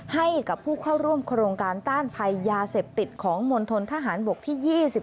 ให้กับผู้เข้าร่วมโครงการต้านภัยยาเสพติดของมณฑนทหารบกที่๒๔